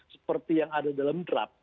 seperti yang ada dalam draft